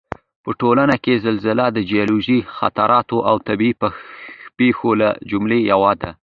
په ټوله کې زلزله د جیولوجیکي خطراتو او طبعي پېښو له جملې یوه ده